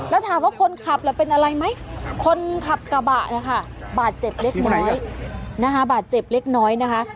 แล้วถามว่าคนขับแล้วเป็นอะไรไหมคนขับกระบะนะคะบาดเจ็บเล็กน้อยนะคะ